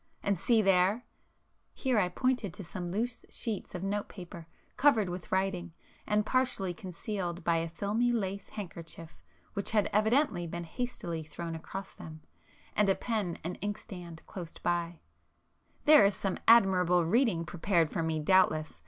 And see there,—" here I pointed to some loose sheets of note paper covered with writing, and partially concealed [p 396] by a filmy lace handkerchief which had evidently been hastily thrown across them, and a pen and inkstand close by—"There is some admirable reading prepared for me doubtless!